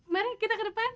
mari kita ke depan